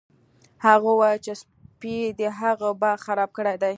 هغې وویل چې سپي د هغې باغ خراب کړی دی